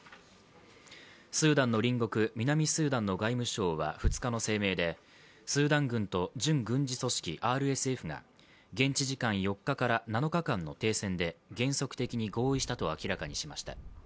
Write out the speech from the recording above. スーダンの隣国、南スーダンの外務省は２日の声明でスーダン軍と準軍事組織ＲＳＦが現地時間４日から７日間の停戦で原則的に合意したと明らかにしました。